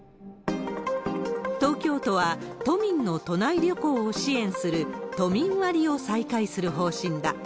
東京都は、都民の都内旅行を支援する都民割を再開する方針だ。